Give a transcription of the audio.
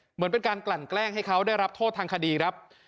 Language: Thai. เหมือนเป็นการกลั่นแกล้งให้เขาได้รับโทษทางคดีครับ